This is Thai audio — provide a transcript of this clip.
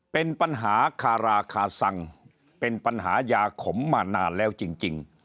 เป็นปัญหาคาราคาซังเป็นปัญหายาขมมานานแล้วจริง